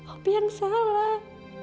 opi yang salah